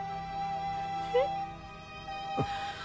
えっ？